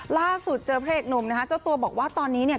ล่าสุดเจอพระเอกหนุ่มนะคะเจ้าตัวบอกว่าตอนนี้เนี่ย